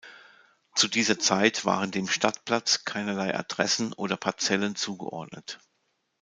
Zu dieser Zeit waren dem Stadtplatz keinerlei Adressen oder Parzellen zugeordnet.